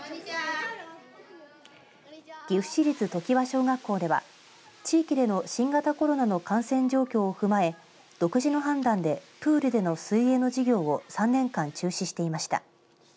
岐阜市立常盤小学校では地域の新型コロナの感染状況を踏まえ独自の判断でプールでの水泳の授業を３年間中止していました。